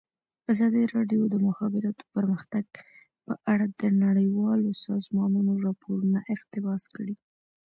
ازادي راډیو د د مخابراتو پرمختګ په اړه د نړیوالو سازمانونو راپورونه اقتباس کړي.